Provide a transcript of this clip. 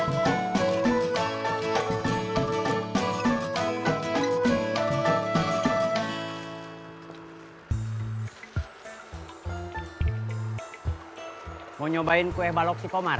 mau nyobain kue balok si komar